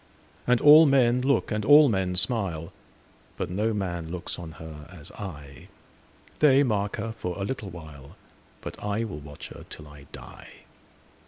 And all men look, and all men smile, But no man looks on her as I:They mark her for a little while, But I will watch her till I die.